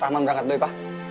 rahmat berangkat dulu pak